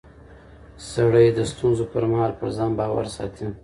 سړی د ستونزو پر مهال پر ځان باور ساتي